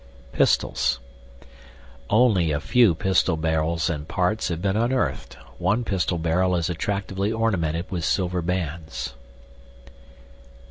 PISTOLS Only a few pistol barrels and parts have been unearthed. One pistol barrel is attractively ornamented with silver bands.